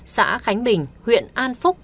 xã khánh bình huyện an phúc